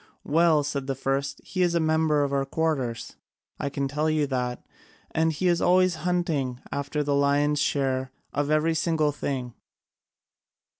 "Well," said the first, "he is a member of our quarters, I can tell you that, and he is always hunting after the lion's share of every single thing."